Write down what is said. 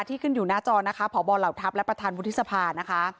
ขึ้นอยู่หน้าจอนะคะพบเหล่าทัพและประธานวุฒิสภานะคะ